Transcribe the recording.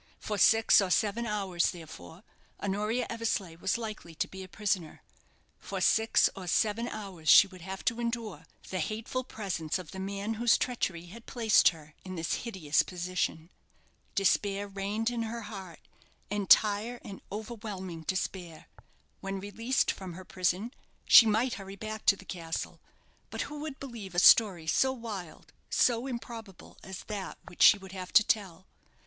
For six or seven hours, therefore, Honoria Eversleigh was likely to be a prisoner for six or seven hours she would have to endure the hateful presence of the man whose treachery had placed her in this hideous position. Despair reigned in her heart, entire and overwhelming despair. When released from her prison, she might hurry back to the castle. But who would believe a story so wild, so improbable, as that which she would have to tell?